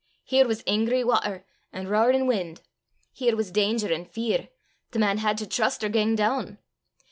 Here was angry watter an' roarin' win'; here was danger an' fear: the man had to trust or gang doon.